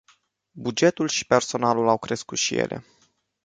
Bugetul și personalul au crescut și ele.